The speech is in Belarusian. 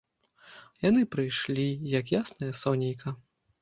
Яны прыйшлі, як яснае сонейка.